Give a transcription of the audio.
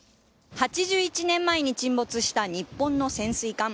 ８１年前に沈没した日本の潜水艦。